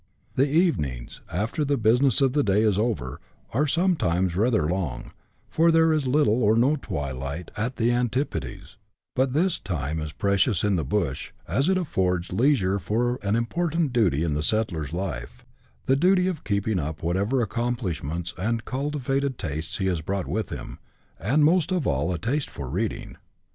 The evenings, after the business of the day is over, are some times rather long, for there is little or no twilight at the anti podes ; but this time is precious in the bush, as it affords leisure for an important duty in the settler's life — the duty of keeping up whatever accomplishments and cultivated tastes he has brought with him, and most of all a taste for reading.